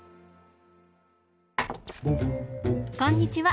こんにちは。